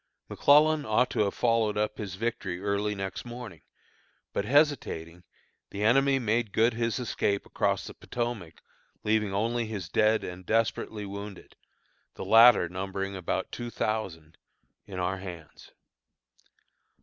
McClellan ought to have followed up his victory early next morning, but hesitating, the enemy made good his escape across the Potomac, leaving only his dead and desperately wounded, the latter numbering about two thousand, in our hands.